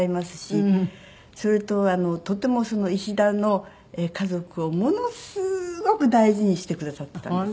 それととても石田の家族をものすごく大事にしてくださっていたんです。